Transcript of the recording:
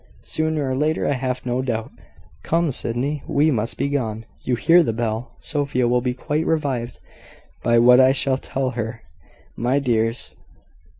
"Sooner or later, I have no doubt." "Come, Sydney, we must be gone. You hear the bell. Sophia will be quite revived by what I shall tell her, my dears.